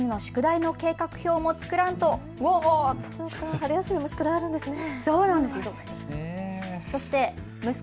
春休みも宿題あるんですね。